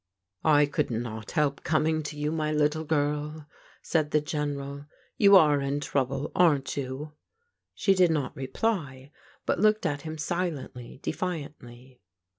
" I could not help coming to you, my little girl," said the General. " You are in trouble, aren't you ?" She did not reply but looked at him silently, defiantly.